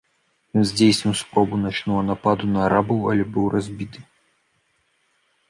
Ён здзейсніў спробу начнога нападу на арабаў, але быў разбіты.